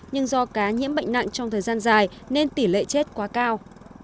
nhưng do cá nhiễm bệnh nặng trong thời gian dài nên tỷ lệ chết quá cao